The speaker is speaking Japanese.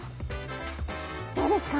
どうですか？